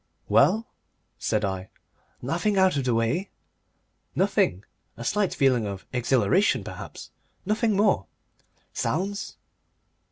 "Well?" said I. "Nothing out of the way?" "Nothing. A slight feeling of exhilaration, perhaps. Nothing more." "Sounds?"